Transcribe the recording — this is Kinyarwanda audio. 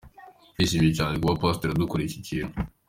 Ndishimye cyane kuba Pastor adukoreye iki kintu.